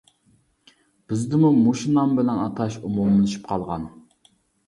بىزدىمۇ مۇشۇ نام بىلەن ئاتاش ئومۇملىشىپ قالغان.